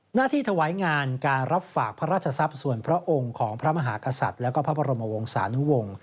หน้าที่ถวายงานการรับฝากพระราชทรัพย์ส่วนพระองค์ของพระมหากษัตริย์และพระบรมวงศานุวงศ์